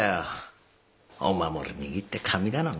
お守り握って神頼み？